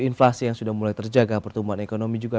inflasi yang sudah mulai terjaga pertumbuhan ekonomi juga